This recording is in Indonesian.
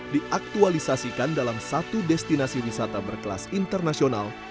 diaktualisasikan dalam satu destinasi wisata berkelas internasional